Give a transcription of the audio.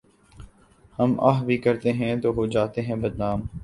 ہم آہ بھی کرتے ہیں تو ہو جاتے ہیں بدنام